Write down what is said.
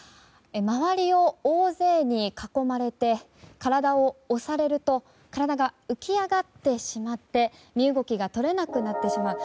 周りを大勢に囲まれて体を押されると体が浮き上がってしまって身動きが取れなくなってしまう。